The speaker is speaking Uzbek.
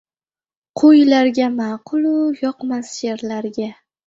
“Qo‘y”larga ma’qul-u, yoqmas sherlarga.